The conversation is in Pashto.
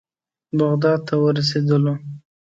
بغداد ته ورسېدلو.